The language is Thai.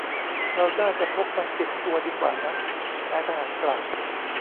เราน่าจะพกมันติดตัวดีกว่านะ นายทหารกล่าว